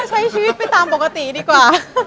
ใช้ชีวิตไปตามปกติดีกว่า